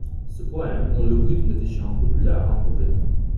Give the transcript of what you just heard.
Ces poèmes ont le rythme des chants populaires en Corée.